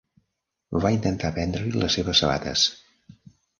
Va intentar prendre-li les seves sabates.